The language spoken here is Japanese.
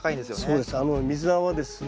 そうです。